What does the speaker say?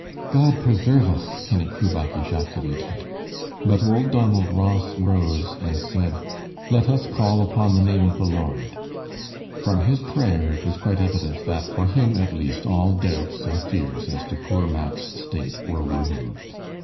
"God preserve us!" Kenny Crubach ejaculated; but old Donald Ross rose and said, "Let us call upon the name of the Lord." From his prayer it was quite evident that for him at least all doubts and fears as to poor Mack's state were removed.